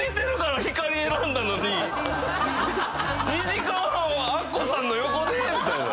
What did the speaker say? ２時間半はアッコさんの横で⁉みたいな。